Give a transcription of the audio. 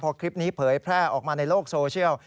พอคลิปนี้เผยแพร่ออกมาในโลกโซเชียล